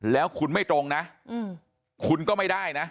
แล้วคุณไม่ตรงนะคุณก็ไม่ได้นะ